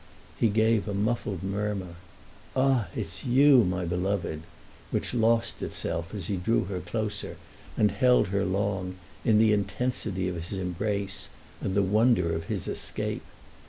He gave a muffled murmur: "Ah, it's you, my beloved!" which lost itself as he drew her close and held her long, in the intensity of his embrace and the wonder of his escape.